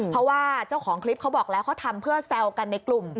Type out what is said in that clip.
เพราะว่าเจ้าของคลิปเขาบอกแล้วเขาทำเพื่อแซวกันในกลุ่ม